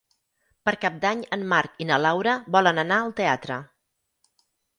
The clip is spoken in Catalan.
Per Cap d'Any en Marc i na Laura volen anar al teatre.